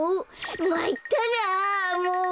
まいったなもう。